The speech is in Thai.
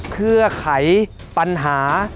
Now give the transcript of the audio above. เพื่อไขปัญหา